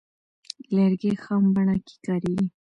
لرګی خام بڼه کې کاریږي.